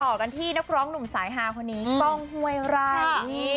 ต่อกันที่นักร้องหนุ่มสายฮาคนนี้กล้องห้วยไร่